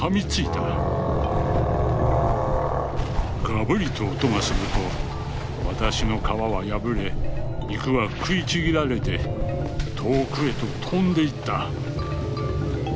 「ガブリと音がすると私の皮は破れ肉は食いちぎられて遠くへと飛んで行った」。